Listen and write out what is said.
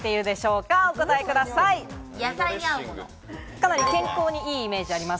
かなり健康にいいイメージあります。